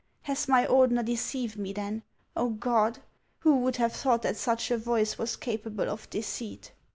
Has my Ordener deceived me, then ? Oh, God ! who would have thought that such a voice was capable of deceit